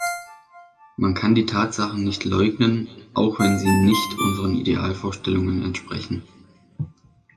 Man kann die Tatsachen nicht leugnen, auch wenn sie nicht unseren Idealvorstellungen entsprechen.